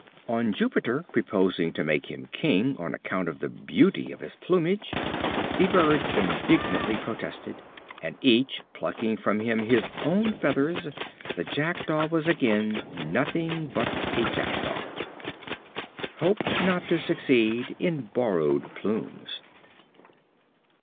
On Jupiter proposing to make him king, on account of the beauty of his plumage, the birds indignantly protested, and each plucking from him his own feathers, the Jackdaw was again nothing but a Jackdaw. Hope not to succeed in borrowed plumes.